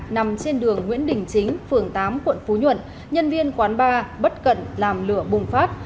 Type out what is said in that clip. nằm trên đường nguyễn đình chính phường tám quận phú nhuận nhân viên quán bar bất cận làm lửa bùng phát